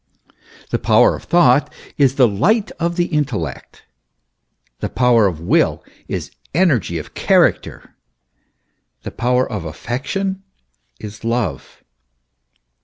The power of thought is the light of the intellect, the power of will is energy of character, the power of affection is love.